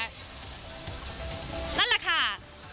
นั่นแหละค่ะ